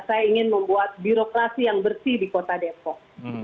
saya ingin membuat birokrasi yang bersih di kota depok